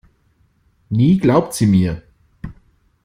Nie glaubt sie mir.